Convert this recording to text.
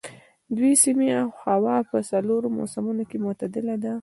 د دې سیمې هوا په څلورو موسمونو کې معتدله ده.